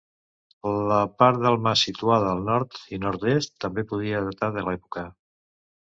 La part del mas situada al nord i nord-est també podria datar de l'època.